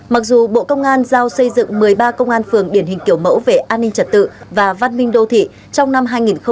mặc dù bộ công an giao xây dựng một mươi ba công an phường điển hình kiểu mẫu về an ninh trật tự và văn minh đô thị trong năm hai nghìn hai mươi ba